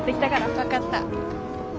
分かった。